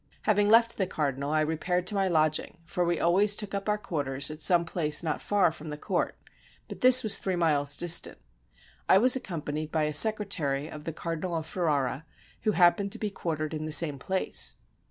Having left the cardinal, I repaired to my lodging, for we always took up our quarters at some place not far from the court, but this was three miles distant. I was accompanied by a secretary of the Cardinal of Ferrara, who happened to be quartered in the same place.